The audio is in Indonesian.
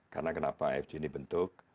karena kenapa fg ini bentuk